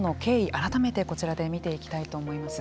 改めてこちらで見ていきたいと思います。